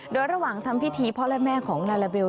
โดยระหว่างทำพิธีพ่อและแม่ของลาลาเบล